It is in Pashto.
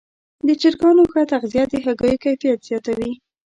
د چرګانو ښه تغذیه د هګیو کیفیت زیاتوي.